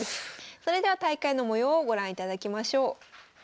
それでは大会の模様をご覧いただきましょう。